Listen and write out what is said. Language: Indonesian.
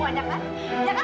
mama saya tidak mau keluar mama